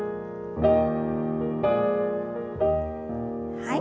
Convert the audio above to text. はい。